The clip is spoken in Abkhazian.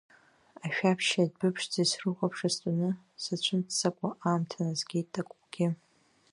Ашәаԥшьи адәы ԥшӡеи срыхәаԥшуа стәаны, сацәымццакуа аамҭа назгеит такәгьы.